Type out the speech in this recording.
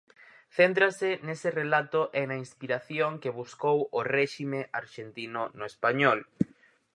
Céntrase nese relato e na inspiración que buscou o réxime arxentino no español.